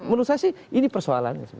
menurut saya sih ini persoalan